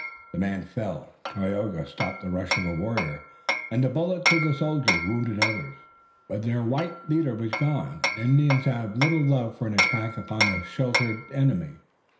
The man fell, Tayoga stopped the rush of a warrior, and the bullets of the soldiers wounded others. But their white leader was gone, and Indians have little love for an attack upon a sheltered enemy.